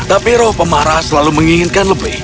tapi roh pemarah selalu menginginkan lebih